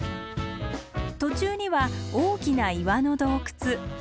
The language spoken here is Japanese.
途中には大きな岩の洞窟。